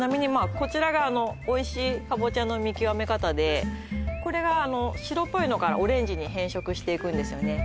こちらがおいしいカボチャの見極め方でこれが白っぽいのからオレンジに変色していくんですよね